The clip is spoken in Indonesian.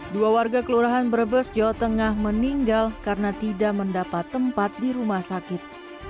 dua warga kelurahan brebes jawa tengah meninggal karena tidak mendapat tempat di rumah sakit